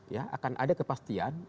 ya akan ada kepastian